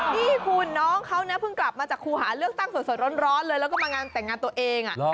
นี่คุณน้องเขาเนี่ยเพิ่งกลับมาจากครูหาเลือกตั้งสดร้อนเลยแล้วก็มางานแต่งงานตัวเอง